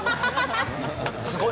すごい。